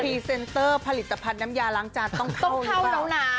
เซนเตอร์ผลิตภัณฑ์น้ำยาล้างจานต้องเข้าแล้วนะ